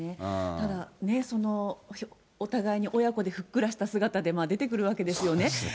ただ、お互いに親子でふっくらした姿で出てくるわけですよね。